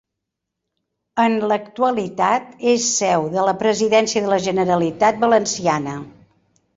En l'actualitat és seu de la Presidència de la Generalitat Valenciana.